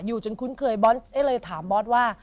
อยู่จนคุ้นเคยบอสได้เลยถามบอสว่า